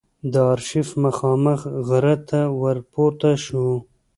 د آرشیف مخامخ غره ته ور پورته شوو.